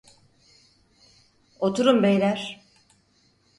Oturun beyler.